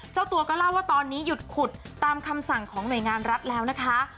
เจ้าตัวก็เล่าว่าตอนนี้หยุดขุดตามคำสั่งของหน่วยงานรัฐแล้วนะคะ